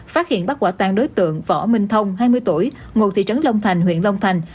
phát hiện bắt quả tang đối tượng võ minh thông hai mươi tuổi ngụ thị trấn long thành huyện long thành